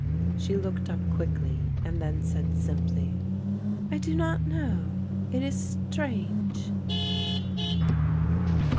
She looked up quickly and then said simply, "I do not know. It is strange."